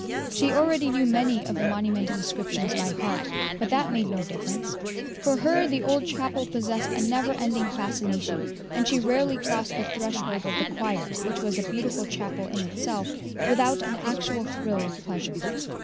She already knew many of the monument inscriptions by heart, but that made no difference; for her the old chapel possessed a never ending fascination, and she rarely crossed the threshold of the choir which was a beautiful chapel in itself without an actual thrill of pleasure.